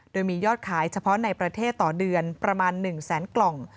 โดยมียอดขายเฉพาะในประเทศต่อเดือนประมาณ๑แสนกล่อง